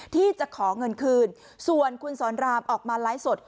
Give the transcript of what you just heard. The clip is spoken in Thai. ที่จะขอเงินคืนส่วนคุณสอนรามออกมาไลฟ์สด